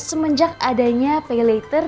semenjak adanya pay later